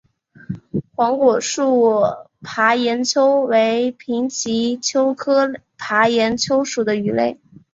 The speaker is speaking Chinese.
黄果树爬岩鳅为平鳍鳅科爬岩鳅属的鱼类。